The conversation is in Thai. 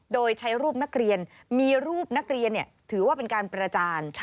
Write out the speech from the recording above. โดยใช้รูปนักเรียนมีรูปนักเรียนถือว่าเป็นการประจาน